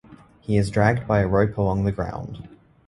He is dragged by a rope along the ground.